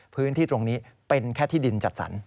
พื้นที่ตรงนี้เป็นแค่ที่ดินจัดสรร